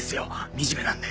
惨めなんで。